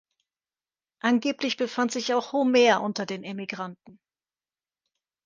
Angeblich befand sich auch Homer unter den Emigranten.